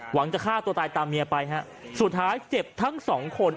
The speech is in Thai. จะฆ่าตัวตายตามเมียไปฮะสุดท้ายเจ็บทั้งสองคน